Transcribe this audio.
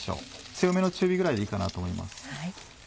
強めの中火くらいでいいかなと思います。